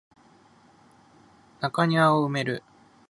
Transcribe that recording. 中庭を埋める錆び付いた自転車を眺め、僕は煙草を取り出し、口に咥える